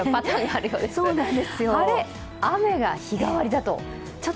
晴れ・雨が日替わりだと？